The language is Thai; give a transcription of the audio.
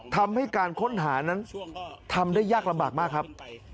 ทำให้การค้นหานั้นทำได้ยากลำบากมากครับ